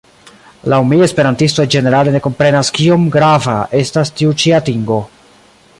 Laŭ mi esperantistoj ĝenerale ne komprenas kiom grava estas tiu ĉi atingo.